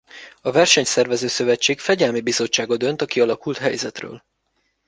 A versenyt szervező szövetség Fegyelmi Bizottsága dönt a kialakult helyzetről.